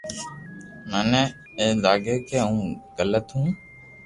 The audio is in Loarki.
مني اي لاگي ڪي ھون گلت ھون